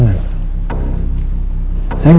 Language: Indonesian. dokter dan sebarangan